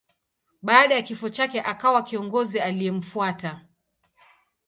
Baada ya kifo chake akawa kiongozi aliyemfuata.